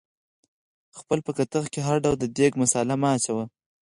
خپل په کتغ کې هر ډول د دیګ مثاله مه اچوئ